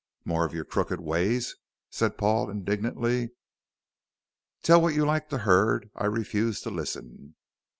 "More of your crooked ways," said Paul, indignantly. "Tell what you like to Hurd. I refuse to listen."